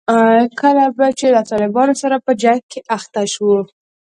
کله به چې له طالبانو سره په جنګ کې اخته شوو.